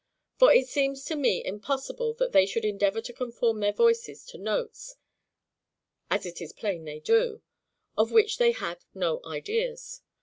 For it seems to me impossible that they should endeavour to conform their voices to notes (as it is plain they do) of which they had no ideas.